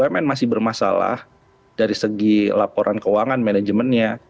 bumn masih bermasalah dari segi laporan keuangan manajemennya